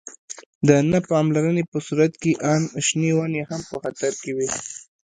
د نه پاملرنې په صورت کې آن شنې ونې هم په خطر کې وي.